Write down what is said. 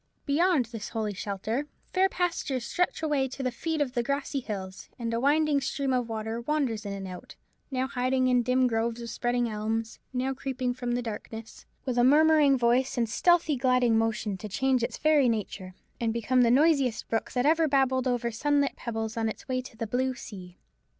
Beyond this holy shelter fair pastures stretch away to the feet of the grassy hills: and a winding stream of water wanders in and out: now hiding in dim groves of spreading elms: now creeping from the darkness, with a murmuring voice and stealthy gliding motion, to change its very nature, and become the noisiest brook that ever babbled over sunlit pebbles on its way to the blue sea.